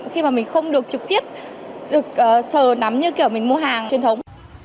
khi mà mình không được trực tiếp được sờ nắm như kiểu mình mua hàng truyền thống